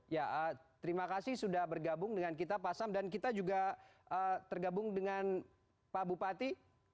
ya terima kasih sudah bergabung dengan kita pak sam dan kita juga tergabung dengan pak bupati